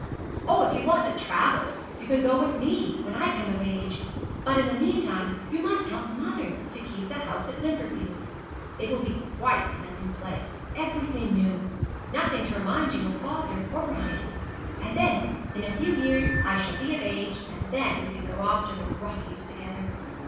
'Oh, if you want to travel, you can go with me when I come of age; but in the meantime you must help mother to keep house at Wimperfield. It will be quite a new place everything new nothing to remind you of father or Brian. And then in a few years I shall be of age, and then we can go off to the Rockies together.'